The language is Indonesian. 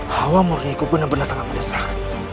hawa murni ku benar benar sangat mendesak